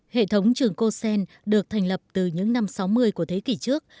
hệ thống trường cosen được thành lập từ những năm sáu mươi của thế kỷ trước